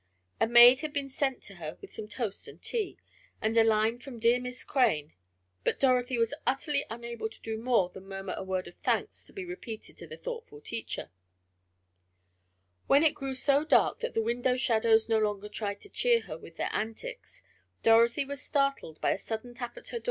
A maid had been sent to her with some toast and tea, and a line from dear Miss Crane, but Dorothy was utterly unable to do more than murmur a word of thanks to be repeated to the thoughtful teacher. When it grew so dark that the window shadows no longer tried to cheer her with their antics, Dorothy was startled by a sudden tap at her door, and, the next moment, Rose Mary had her in her warm, loving arms.